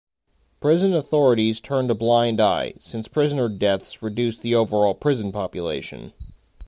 Prison authorities turned a blind eye, since prisoner deaths reduced the overall prison population.